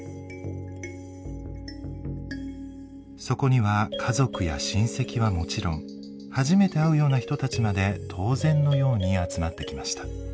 そこには家族や親戚はもちろん初めて会うような人たちまで当然のように集まってきました。